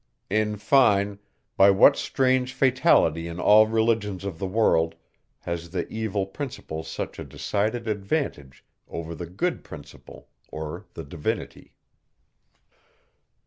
In fine, by what strange fatality in all religions of the world, has the evil principle such a decided advantage over the good principle, or the divinity?